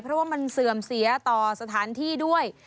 เพราะว่ามันเสื่อมเสียต่อสถานที่ด้วย